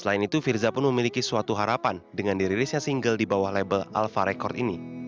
selain itu firza pun memiliki suatu harapan dengan dirilisnya single di bawah label alpha record ini